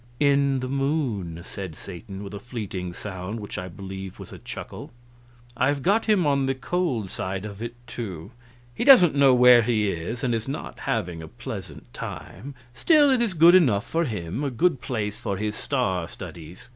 "In the moon," said Satan, with a fleeting sound which I believed was a chuckle. "I've got him on the cold side of it, too. He doesn't know where he is, and is not having a pleasant time; still, it is good enough for him, a good place for his star studies.